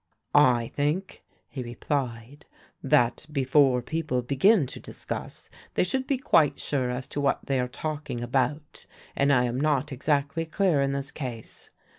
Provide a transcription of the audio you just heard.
"I think," he replied, "that before people begin to discuss, they should be quite sure as to what they are talking about; and I am not exactly clear in this case.